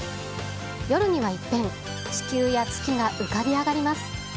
夜には一変、地球や月が浮かび上がります。